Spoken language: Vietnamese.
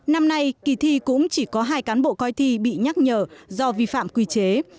năm nay kỳ thi cũng chỉ có hai cán bộ coi thi bị nhắc nhở do vi phạm quy chế